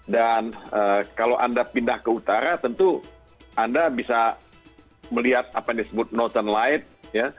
dan kalau anda pindah ke utara tentu anda bisa melihat apa yang disebut northern light ya